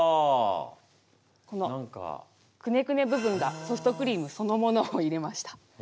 このくねくね部分がソフトクリームそのものを入れました。